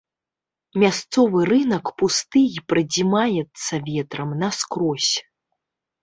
Мясцовы рынак пусты і прадзімаецца ветрам наскрозь.